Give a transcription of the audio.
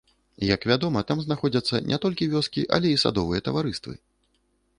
Як вядома, там знаходзяцца не толькі вёскі, але і садовыя таварыствы.